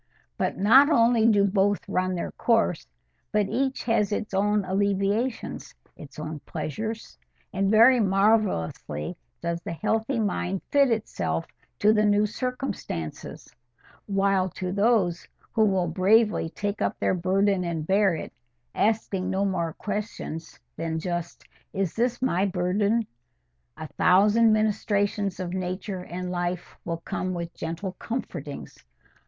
But not only do both run their course, but each has its own alleviations, its own pleasures; and very marvellously does the healthy mind fit itself to the new circumstances; while to those who will bravely take up their burden and bear it, asking no more questions than just, "Is this my burden?" a thousand ministrations of nature and life will come with gentle comfortings.